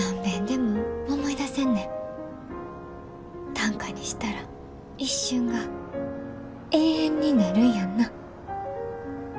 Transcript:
短歌にしたら一瞬が永遠になるんやんな？